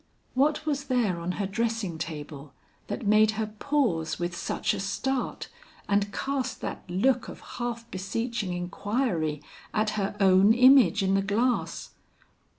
What was there on her dressing table that made her pause with such a start, and cast that look of half beseeching inquiry at her own image in the glass?